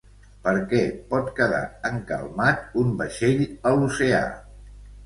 Per què pot quedar encalmat un vaixell a l'oceà?